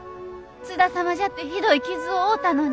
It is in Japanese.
津田様じゃってひどい傷を負うたのに。